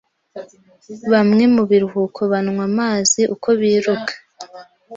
Bamwe mu biruka banywa amazi uko biruka.